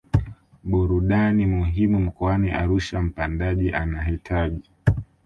burudani muhimu mkoani Arusha Mpandaji anahitaji